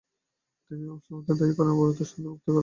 তিনি গুমুশতিগিনকে দায়ী করেন এবং অবরোধে শক্তিবৃদ্ধি করেন।